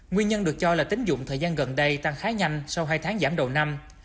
nguyên nhân được cho là tính dụng thời gian gần đây tăng khá nhanh sau hai tháng giảm đầu năm